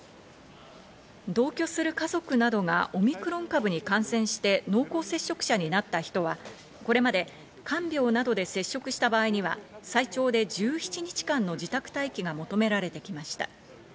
同居する家族などがオミクロン株に感染して濃厚接触者になった人は、これまで看病などで接触した場合には最長で１７日間の自宅待機が求められてきました。